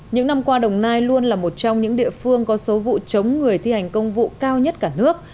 những năm qua đồng nai luôn là một trong những địa phương có số vụ chống người thi hành công vụ cao nhất cả nước